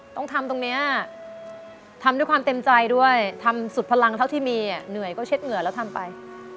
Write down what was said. ต้องทำตรงนี้ทำด้วยความเต็มใจด้วยทำสุดพลังเท่าที่มีเหนื่อยก็เช็ดเหงื่อแล้วทำไป